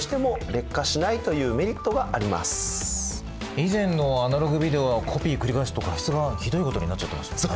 以前のアナログビデオはコピー繰り返すと画質がひどいことになっちゃってましたもんね。